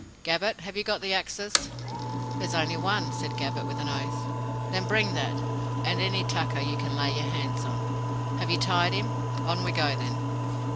Gabbett, have you got the axes?" "There's only one," said Gabbett, with an oath. "Then bring that, and any tucker you can lay your hands on. Have you tied him? On we go then."